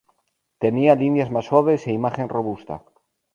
Tenía líneas más suaves e imagen robusta.